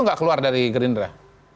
tidak keluar dari green dress